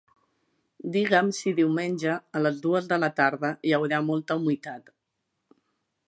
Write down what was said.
Digue'm si diumenge a les dues de la tarda hi haurà molta humitat.